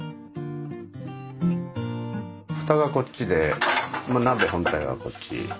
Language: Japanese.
ふたはこっちで鍋本体はこっち。ね。